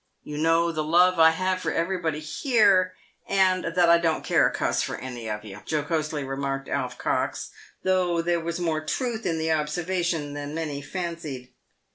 " You know the love I have for everybody here, and that I don't care a cus for any of you," jocosely remarked Alf Cox, though there was more truth in the observation than many fancied.